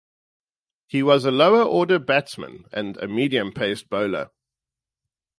He was a lower order batsman and a medium pace bowler.